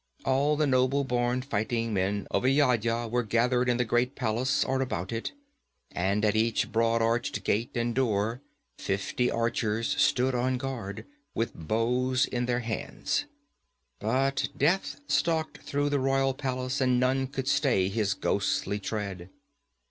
All the noble born fighting men of Ayodhya were gathered in the great palace or about it, and at each broad arched gate and door fifty archers stood on guard, with bows in their hands. But Death stalked through the royal palace and none could stay his ghostly tread.